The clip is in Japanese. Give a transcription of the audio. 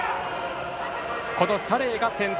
このサレイが先頭。